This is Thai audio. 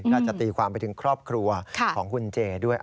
อาจจะตีความไปถึงครอบครัวของคุณเจด้วย